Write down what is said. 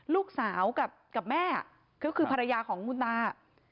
ลูกสาวกับแม่ก็คือภรรยาของคุณตา